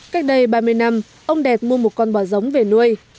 cách đây ba mươi năm ông đẹp mua một con bò giống về nuôi